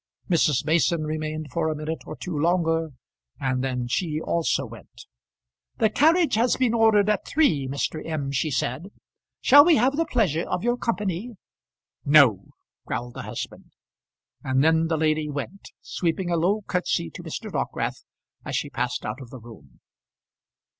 Mrs. Mason remained for a minute or two longer, and then she also went. "The carriage has been ordered at three, Mr. M.," she said. "Shall we have the pleasure of your company?" "No," growled the husband. And then the lady went, sweeping a low curtsy to Mr. Dockwrath as she passed out of the room.